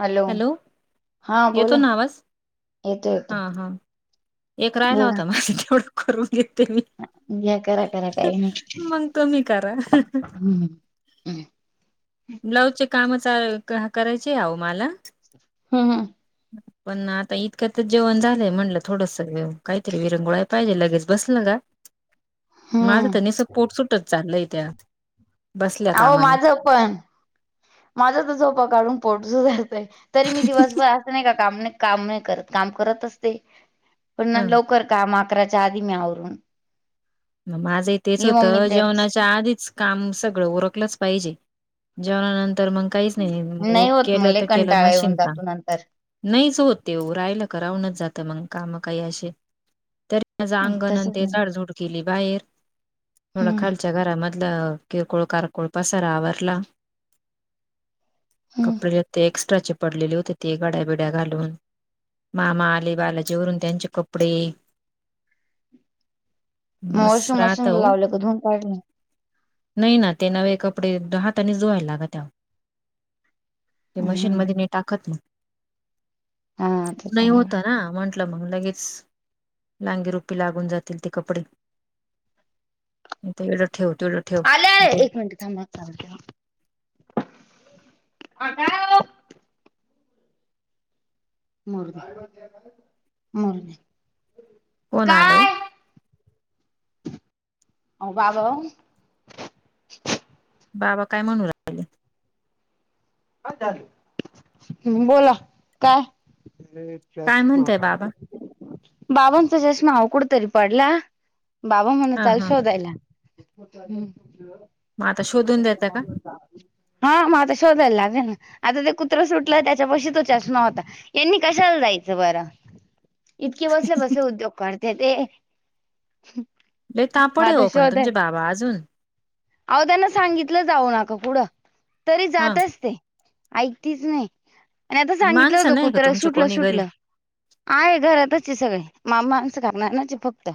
Hello हा येतो बोला ना आवाज येतो हा येतो. हा एक राहिला बोला होता माझ तेवढं करून घेते मी. घ्या करा करा काही नाही मग तुम्ही करा हम्म ब्लाऊजचे काम करायचे आहे आहो मला हम हम पण आता इतक्यात जेवण झालंय म्हणलं थोडसं काही तरी विरंगुळा पाहिजे लगेच बसल का माज त हम्म निसत पोट सूटत चालय त्या. बसल्या अहो कामाने माझं पण माझ त झोपा काढून पोट सुजलतय तरी मी दिवसभर अस नाही का काम नाही, काम नाही करत काम करत असते पण ह लवकर काम आकराच्या आधी मी आवरून माझं तेच ये मम्मी होतं तेच जेवणाच्या आधीच काम सगळं ओरखलंच पाहिजे जेवणानंतर मग काहीच नाही होत मग केलं लय तर केलं कंटाळा येऊन मशीन काम. जातो नंतर नाहीच हो ते रायला करावनच जातं मंग काम काही असे त त्याझ अंगण तसच ते आहे झाडझूड केली बाहेर थोडा हम्म खाल च्या घरामधलं किरकोळ कारकोळ पसारा आवरला. हम्म कपडे ते एक्स्ट्राचे पडलेली होते ती गड्याबिड्या घालून. मामा आले बालाजी वरून त्यांचे कपडे. मग मस्त वॉशिंग राहत मशीन ओ लावले का धुवून काढल. नाही ना ते नवे कपडे हाताने धुवावे लागत आहो. ते हम्म मशीनमध्ये मी टाकत नाही. हा ते नाही आले होता ना म्हण नही मग उघिच लांगीरूपी लागून जातील ती कपडे मग जरा ठेवतो आले आले एक मिनिट थांब आता. मरूदे मरूदे कोण आल ओ. बाबा हो बाबा बाबा काय म्हणू राहिले? हम, बोला काय काय म्हणताय बाबा? बाबांचा चा चस्मा कुठं तरी पडला बाबा हां, म्हणतात हां. शोधत मग आता शोधून देता का? हम आता शोधायला आता ते कुत्र सुटलं त्याच्या पशी तो चषमा होता. यांनी कशाला जायचं बरं. इतके बसले बसले उद्योग करते ते. लय तापड आहे आता हो बाबा तुमचे अजून अ त्यांना सांगितलं जाऊ नका कुढं तरी हां, जातच ते. ऐकतीच नाही आणि आता सांगितलं माणसं होत नाही का कुत्रा तुमचे सुटलं कोणी घरी? सुटलं. आहे घरातच आहे सगळे मामा न च काम आहे ना फक्त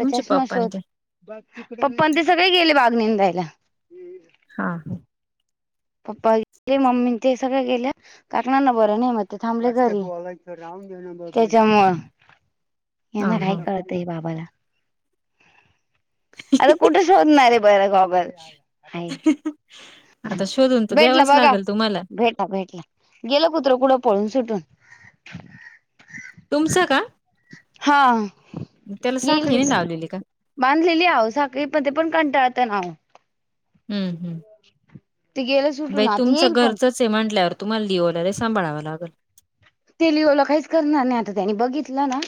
तुमचे पप्पा अन् ते. सगळे गेले ते बांगणी द्यायला हा. हा. पप्पा गेले मम्मी ते सगळे कारण यांना बरं नाही. मग ते थांबले घरी त्याच्यामुळे यांना हां, काय हां. कळतं बाबाला आता कुठे शोधणार आहे बरं खबर [inaudible] ह. भेटला बघा तुम्हाला. भेटला भेटला. गेलं कुत्रं कुठं पळून सुटून तुमचं का. हा. त्याला येईल साखळी नाही सुद्धा लावलेली का. बांधलेली हव साखळी पण पण कंटाळता नाव. हम्म हम्म. [unintelligible] बाई तुमचं येईल पण घरचंच आहे म्हटल्यावर तुम्हाला लिव आला ते सांभाळावं लागेल. ते लिओला काहीच करणार नाही आता त्यांनी बघितलं ना.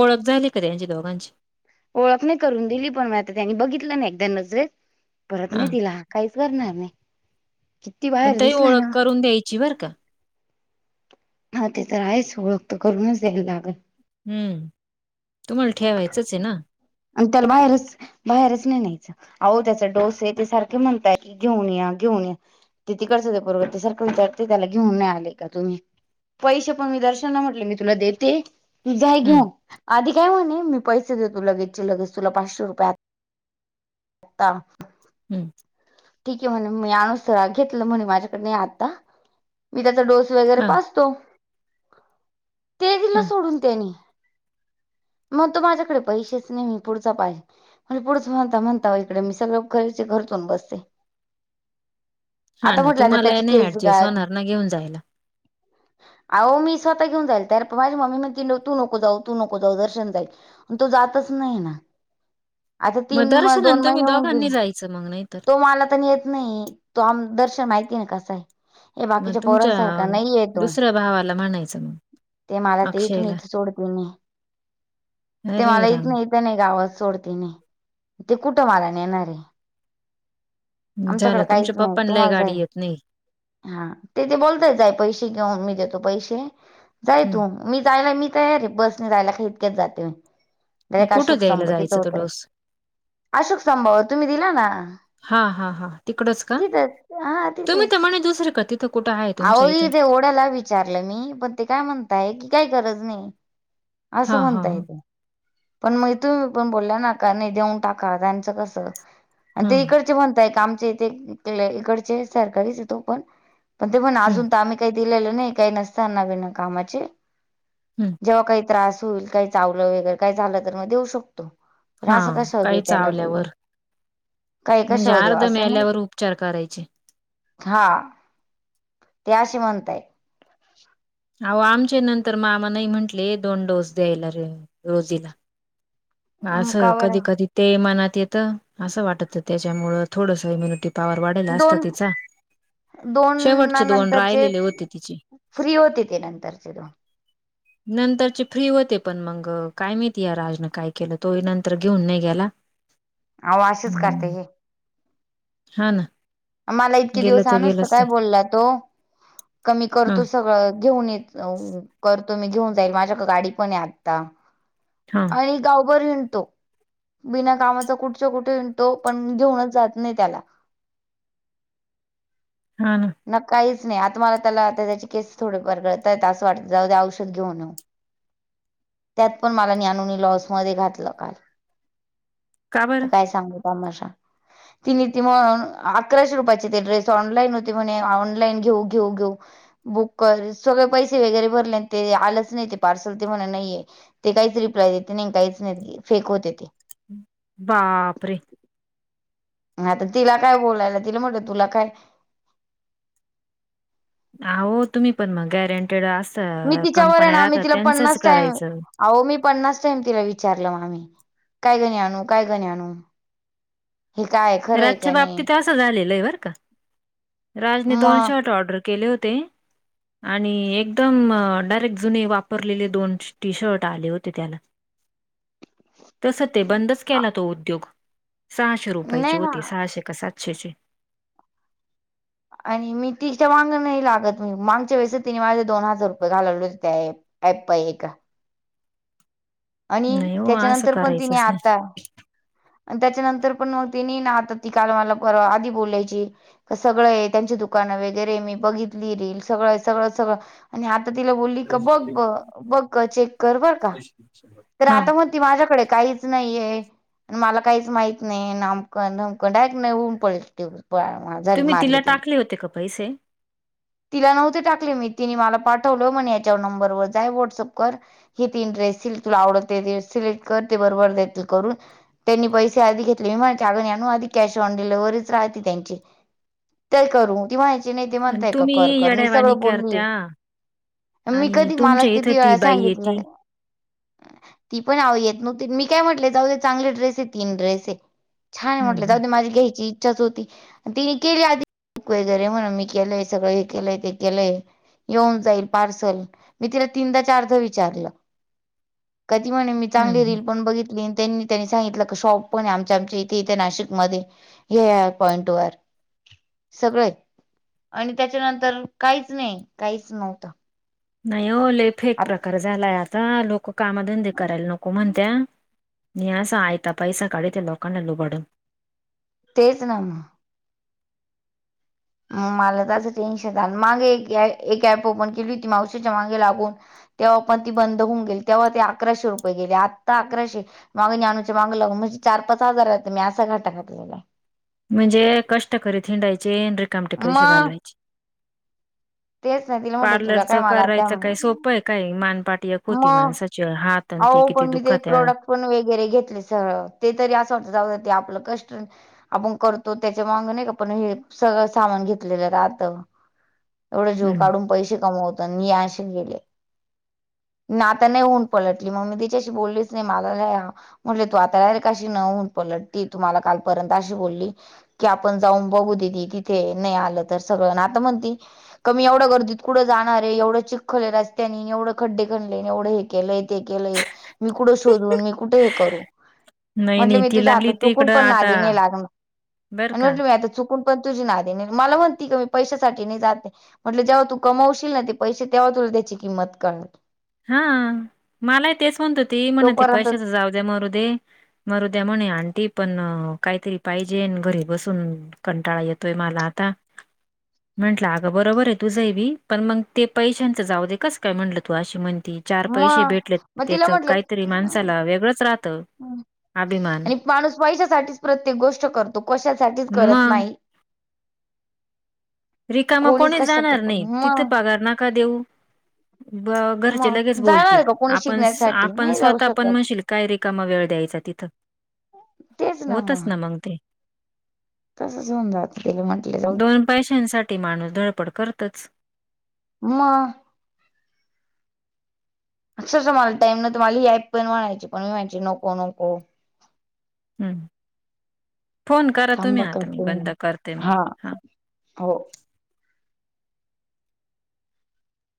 ओळख झाली का त्यांची दोघांची. ओळख नाही करून दिली पण म आता त्यांनी बघितलं ना एकदा नजरेत परत नाही हां, तिला काहीचं करणार नाही. किती मग बाहेर ते दिसला ओळख ना करून दयाची बरं का. हा ते तर हायच ओळख तर करून द्यायला लागलं हम्म, तुम्हाला ठेवायचंच आहे ना आणि त्यालाच बाहेरचं बाहेरचं नाही न्यायचं अहो त्याचा डोस ते सारखे म्हणताय कि घेऊन या घेऊन या [inaudible] पैसे पण मी दर्शन म्हटले मी तुला देते हं, जायगं आधी काय म्हणे मी पैसे देतो लगेच लगेच तुला पाचशे रुपये आता हम्म, ठीक आहे म्हणे मी असं घेतलं म्हणे माझ्याकडनं आता मी त्याचा डोस वगैरे हां, पाजतो ते दिलं हां. सोडून त्यांनी मग तू माझ्याकडे पैसे नाही म्हणे पुढचा पाहे म्हणे पुढचं म्हणता म्हणता इकडे मी सगळे पैसे खर्च करूबसते हा ना आता तुम्हाला त्याची नाही केस ऍडजस्ट गाळ होणार ना घेऊन जायला. आहो मी स्वः घेऊन जाईल त्या तर माझी मामी म्हण तू नको जाऊ तू नको जाऊ दर्शन जाईल तो जातच नाही ना आता तीन महिने दोन महिने होऊन गे चल मग नाही तर तो मला तर नेत नाही तो दर्शन माहितीय ना कसा आहे हे मग बाकीच्या तुमच्या पोरांसारखा नाही आहे तो दुसऱ्या भावाला म्हणायचं मग ते मला ते इथून अक्षयला इथं सोडते मी घरे इथं ना इथं गावात सोडते नाही ते कुठं मला न येणार आहे झालं आमच्याकडें तुमच्या काहीचं नाही पप्पांलाही तुम्हाला जाई गाडी येत नाही हा ते बोलताय आहे पैसे घेऊन मी देतो पैसे जाय हम्म तू मी जायला मी तयार आहे बसने जायला का इतक्यात जाते. कुठं अशोक द्यायला स्तंभ परत जायचं तो करा डोस अशोक स्तंभ तुम्ही दिला ना. हा हा हा तिकडंचं का तिथंच तुम्ही त म्हणे दुसरे तिथं कुठं आहे आव तुमच्या इथं मी ओढ्याला विचारलं मी पण ते काय म्हणताय की काय गरज नाही असं हा हा म्हणता हा येतं पण मग तुम्ही पण बोलला ना का नाही देऊन टाका त्यांचं कसं आणि ते हम्म इकडचे बणताय का आमचे इथे इकडचे सरकारीच तो पण पण ते पण हम्म अजून तर आम्ही काही दिलेलं नाही काही नसतनावीना कामाचे हम्म जेव्हा काही त्रास होईल काही चावलं वगैर काही झालं तर मग देऊ शकतो पण हा असं कशावर काही देऊ त्याला बोललो चावल्यावर काही म्हणजे कशावर देऊ अर्ध असं नाही मेल्यावर उपचार करायचे हा [inaudible] [inaudible] असं का कधी बरं कधी ते मनात येतं असं वाटत त्याच्यामुळं थोडस इम्युनिटी पवर वाढेला असता दोन तिचा दोन शेवटचे दोन नंतरचे राहिलेले होते तिचे. फ्री होती ते नंतरचे दोन नंतरची फ्री होते पण मगं काय माहिती या राजनं काय केलं तो नंतर घेऊन नाही गेला आव असेचं करते हम्म हे हा. ना. मला इतके गेलं दिवस अनोस तर गेलंच काय ते बोलला तो कमी ह करतो सगळं घेऊन येतं. जाऊन करतो मी घेऊन जाईल माझ्याकडे गाडी पण आहे आता हा, आणि गावभर हिंडतो. बिना कामाचा कुठच्या कुठे तो पण घेऊनच जात नाही त्याला हा न काहीच नाही आता मला त्याला त्याचे केस थोडे फार गळतात आहेत असं वाटतं जाऊद्या औषध घेऊन येऊ. [inaudible] त्यात पण मला नननी लॉस मध्ये घातलं का का बरं? काय सांगू तमाशा तिनी ती अकराशे रुपयाची ते ड्रेस ऑनलाईन होते म्हणे ऑनलाईन घेऊ घेऊ घेऊ बुक कर सगळे पैसे वगैरे भरले ते आलंच नाही ते पार्सल ते म्हणा नाहीये. ते काहीच रिप्लाय देते नाही काहीच नाही फेक होते ते बापरे ह तर तिला काय बोलायला तिला म्हणत तुला काय हो तुम्ही पण मग गॅरंटेड अस मी तिच्यावर आहे कंपन्याला ना मी आता तिला त्यांचंच पन्नास टाइम करायचं. अहो मी पन्नास टाईम तिला विचारलं म आम्ही काय घणी आणू काय गणी आणू ह काय एक राजच्या बाबतीत असं झालेलं आहे बर का, राजने दोन मग शर्ट ऑर्डर केले होते. आणि एकदम डायरेक्ट जुने वापरलेले दोन टी शर्ट आले होते त्याला तस ते बंदच केला तो उद्योग सहाश पाहिजे नाही ना होते सहाशे कि सातसे चे आणि मी तिच्या वांग नाही लागत मी मांगच्या वेळेस तिने माझे दोन हजार रुपये घालवले हो त्या ऍप पाई एका आणि नाही हो असं त्याच्यानंतर पण तिने करायचंच नाही. आता आणि त्याच्यानंतर पण मग तिनी ना आता ती काल मला आधी बोलायची. सगळं आहे त्यांची दुकानं वगैरे मी बघितली रील सगळं सगळं सगळं आणि आता तिला बोलली का बघ ब बघ चेक कर बर का तर हा आता म ती माझ्याकडे काहीच नाहीये. मला काहीच माहत नाही आमकण धमकन डारेक्ट नाही होऊन पडेलून झाली मारली तिने आले होते का पैसे तिला नव्हते टाकले मी तिने मला पाठवलं मण याच्या नंबरवर जाय व्हॉट्सअप कर ही तीन ड्रेस तुला आवडते सिलेक्ट करते बरोबर देेत करून त्यांनी पैसे आधी घेतले विमान चागणी आणू आधी कॅश ऑन डिलेव्हरीच राहते त्यांची काय करू ती म्हणायची नाही ते म्हणताय का मी कर कर येडावाणी सगळं बोलली. करत्या मी आणि कधी मला तुमच्या इथं किती ती वेळा बाई सांगितलं. यती [inaudible] ती पण आव येत नव्हती मी काय म्हटले जाऊ चांगले ड्रेस आहे तीन ड्रेस आहे. छान आहे हम्म म्हटलं जाऊ हम्म दे माझी घ्यायची इच्छाच होती तिने केली आधी वगैरे म्हणून मी केलंय हे सगळं केलंय ते केलंय येऊन जाईल पार्सल मी तिला तीनदा चारध विचारलं क ती म्हणे मी हम्म चांगली हम्म. रील पण बघितली त्यांनी त्यांनी सांगितलं क शॉप पण आमच्या आमच्या इथे इथे नाशिकमध्येध्ये ह पॉईंट वर सगळंय आणि त्याच्यानंतर काहीच नाही काहीच नव्हतं. नाही ओ फेक प्रकार झालाय आता, लोक कामधंदे करायला नको म्हणत्या नि अस आहेयता पैसा काढित लोकांना लुबाडून तेच ना म मला त्याच टेन्शन [inaudible] मागे एक एक ऍप ओपन केली होती मावशीच्या मागे लागून तेव्हा पण ती बंद होऊन गेली तेव्हा ते अकराशे रुपये गेले आत्ता अकराशे मागणी आणूच माग लागून म्हणजे चार पाच हजार राह मी असा घाटा घातलेला. म्हणजे कष्ट करीत हिंडायचे आणि रिकामटे पैसे मग घालवायचे. तेच नाही तिला म्हटले तुला काय पार्लरचं मला आता करायचं काय सोप पय काय मानपाट एक होती मग माणसाची हात आणते किती दुखात्या फोन वगैरे घेतले स ते तरी असं वाट जाऊ आपलं कष्ट आपण करतो त्याच्या माग नाही का पण हे सगळं सामान घेतलेलं राहत एवढे जेव हम्म. काढून पैसे कमवतो निआशेच गेले [inaudible] नाही ऊन पलटली मग मी तिच्याशी बोललीच नाही मला ल म्हटलं तू आता यरे कशी न होऊन पलटती तू मला कालपर्यंत अशी बोलली की आपण जाऊन बघू दिदी तिथे नाही आलं तर सगळं ना आता म्हणती क मी एवढं गर्दीत कुठं जाणार आहे एवढं चिक्कल हाय रस्त्यानी एवढं खड्डे खनले एवढं हे केलंय ते केलंय मी कुठं शोधून मी कुठे हे करू नाही म्हटलं नाही मी ती तुझ्या आता लागली ते चुकून इकडं पण आता नादी नई लागणार बर आणि का म्हटलं मी आता चुकून पण तुझी नादी नाही म्हणती क मी पैशासाठी नाही जातय म्हटल जेव्हा तू कमावशील ना ते पैसे तेव्हा तुला त्याची किंमत कळनार हा मलाही तेच म्हणत होती म्हण ते तोपर्यंत पैशाच जाऊ द्या मरू मरुद्या म्हणे आणि ते पण काहीतरी पाहिजे आणि घरी बसून कंटाळा येतोय मला आता म्हटलं अगं बरोबर आहे तू जय बी पण मग ते पैशांचं जाऊ दे कस काय म्हटलं तू अशी म्हणती चार पैसे मग भेटलेत मग तिला त्याच म्हटलं काहीतरी अं, माणसाला वेगळंच राहतं अभिमान आणि माणूस पैशासाठीच प्रत्येक गोष्ट करतो कशासाठीच करत मग नाही रिकामा कोणीच कोणी कशासाठी जाणार पण नाही तिथं मग पगार नाका देऊ ब घरचे मग लगेच जाणार बोलतील आहे का कोणी आपण शिकण्यासाठी आपण नाही जाऊ स्वतःपण शकत म्हणशील काय रेिकामा वेळ द्यायचा तिथं तेच होतच ना मग ते तसंच होऊन जातं त म्हंटलं जाऊ दोन पैशांसाठी माणूस धडपड करतच म अक्षरशः मला टाईम न तर मला याय पण म्हणायची पण मी म्हणायची नको नको हम्म फोन करा तुम्ही थांबा आता मी करते बंद करते मग हा हा हो